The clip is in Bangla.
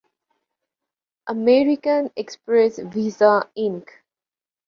American Express, Visa ink.